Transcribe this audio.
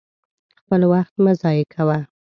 خپل وخت مه ضايع کوه!